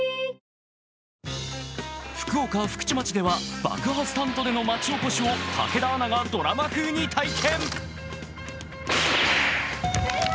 福岡・福智町では爆破スタントでの町おこしを武田アナがドラマ風に体験。